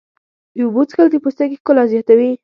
د اوبو څښل د پوستکي ښکلا زیاتوي.